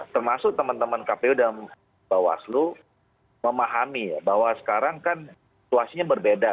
termasuk teman teman kpu dan bawaslu memahami bahwa sekarang kan situasinya berbeda